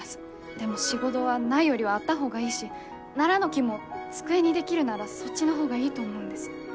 でも仕事はないよりはあった方がいいしナラの木も机に出来るならそっちの方がいいと思うんです。